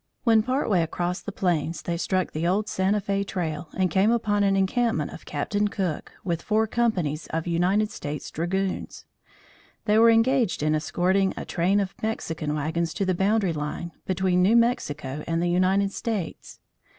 When part way across the plains, they struck the old Santa Fe trail and came upon an encampment of Captain Cook with four companies of United States Dragoons. They were engaged in escorting a train of Mexican wagons to the boundary line between New Mexico and the United States.